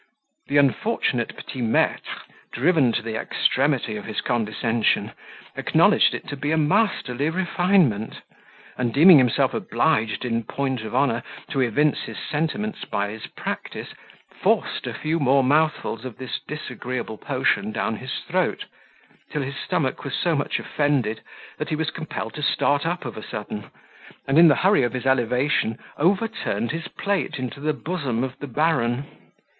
The unfortunate petit maitre, driven to the extremity of his condescension, acknowledged it to be a masterly refinement; and deeming himself obliged, in point of honour, to evince his sentiments by his practice, forced a few more mouthfuls of this disagreeable potion down his throat, till his stomach was so much offended, that he was compelled to start up of a sudden; and, in the hurry of his elevation, overturned his plate into the bosom of the baron.